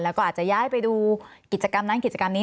แล้วก็อาจจะย้ายไปดูกิจกรรมนั้นกิจกรรมนี้